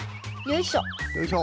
よいしょ。